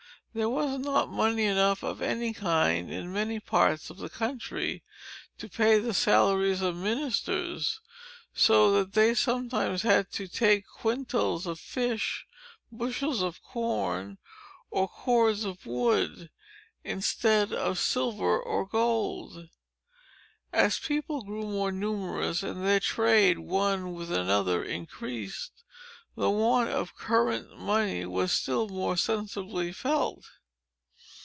There was not money enough of any kind, in many parts of the country, to pay the salaries of the ministers; so that they sometimes had to take quintals of fish, bushels of corn, or cords of wood, instead of silver or gold. As the people grew more numerous, and their trade one with another increased, the want of current money was still more sensibly felt.